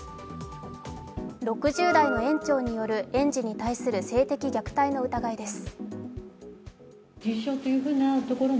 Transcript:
６０代の園長による園児に対する性的虐待の疑いです。